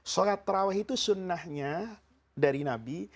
sholat terawih itu sunnahnya dari nabi